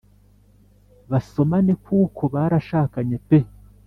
basomane kuko barashakanye pe